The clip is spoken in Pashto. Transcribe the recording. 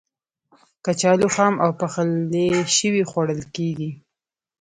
کچالو خام او پخلی شوی خوړل کېږي.